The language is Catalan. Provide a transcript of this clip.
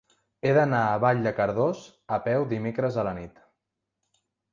He d'anar a Vall de Cardós a peu dimecres a la nit.